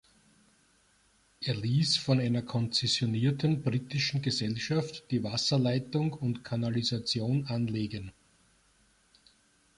Er ließ von einer konzessionierten britischen Gesellschaft die Wasserleitung und Kanalisation anlegen.